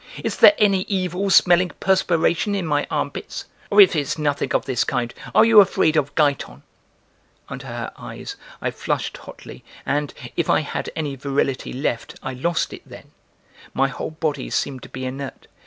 Is there any evil smelling perspiration in my armpits? Or, if it's nothing of this kind, are you afraid of Giton?" Under her eyes, I flushed hotly and, if I had any virility left, I lost it then; my whole body seemed to be inert.